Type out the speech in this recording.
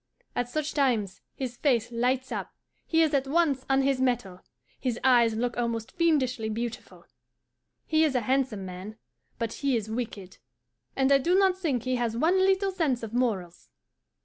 At such times his face lights up, he is at once on his mettle, his eyes look almost fiendishly beautiful. He is a handsome man, but he is wicked, and I do not think he has one little sense of morals.